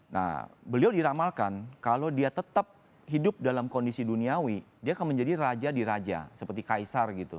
nah beliau diramalkan kalau dia tetap hidup dalam kondisi duniawi dia akan menjadi raja di raja seperti kaisar gitu